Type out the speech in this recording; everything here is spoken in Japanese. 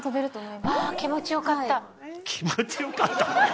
「気持ちよかった」？